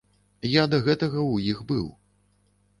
Я да гэтага ў іх быў.